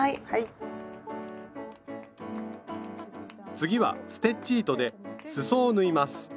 次はステッチ糸ですそを縫います。